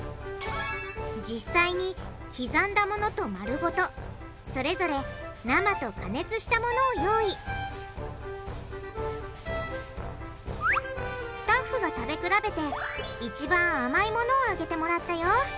実際に刻んだものと丸ごとそれぞれ生と加熱したものを用意スタッフが食べ比べて一番甘いものをあげてもらったよ。